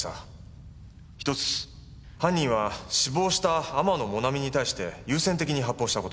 ひとつ犯人は死亡した天野もなみに対して優先的に発砲した事。